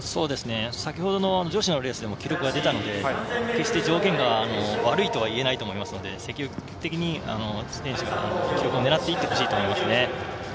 先ほどの女子のレースでも記録が出たので決して条件が悪いとはいえないと思いますので積極的に記録狙っていってほしいと思いますね。